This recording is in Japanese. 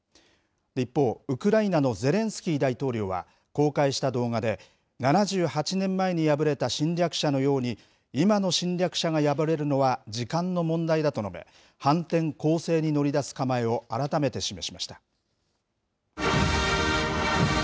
一方、ウクライナのゼレンスキー大統領は公開した動画で、７８年前に敗れた侵略者のように、今の侵略者が敗れるのは時間の問題だと述べ、反転攻勢に乗り出す構えを改めて示しました。